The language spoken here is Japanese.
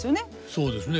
そうですね。